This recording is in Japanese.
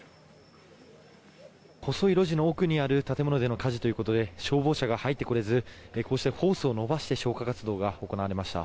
細い路地の奥にある建物での火事ということで消防車が入ってこれずこうしてホースを伸ばして消火活動が行われました。